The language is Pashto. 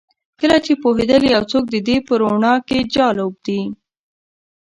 کله چې وپوهیدل یو څوک د دې په روڼا کې جال اوبدي